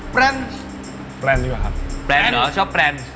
แปลนดีกว่าครับ